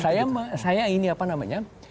saya meniru pola yang dilakukan di filipina